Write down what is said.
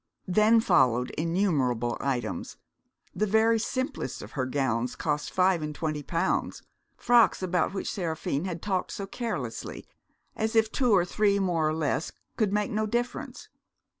Then followed innumerable items. The very simplest of her gowns cost five and twenty pounds frocks about which Seraphine had talked so carelessly, as if two or three more or less could make no difference.